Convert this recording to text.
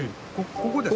ここですか？